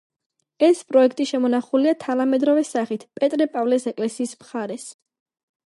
ეს პროექტი შემონახულია თანამედროვე სახით პეტრე-პავლეს ეკლესიის მხარეს.